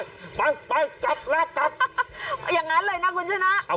อย่างนั้นเลยนะคุณชนะ